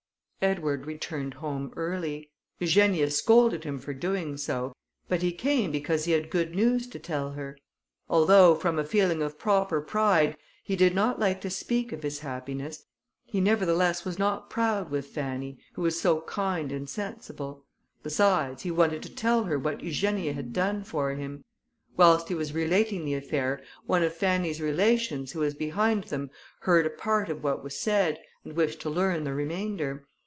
Edward returned home early. Eugenia scolded him for doing so; but he came because he had good news to tell her. Although, from a feeling of proper pride, he did not like to speak of his happiness, he, nevertheless, was not proud with Fanny, who was so kind and sensible; besides, he wanted to tell her what Eugenia had done for him. Whilst he was relating the affair, one of Fanny's relations, who was behind them, heard a part of what was said, and wished to learn the remainder.